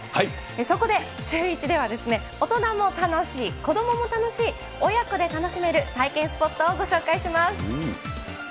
そこでシューイチでは、大人も楽しい、子どもも楽しい、親子で楽しめる体験スポットをご紹介します。